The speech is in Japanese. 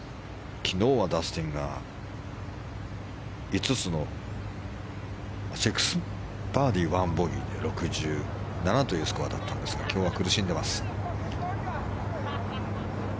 昨日はダスティンが６バーディー、１ボギーで６７というスコアだったんですが今日は苦しんでます。